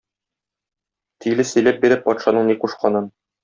Тиле сөйләп бирә патшаның ни кушканын.